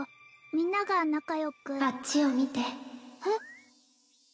みんなが仲良く・あっちを見てえっ？